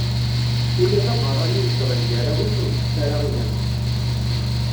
Ula d abeṛṛani izedɣen gar-awen ur itett ara idammen.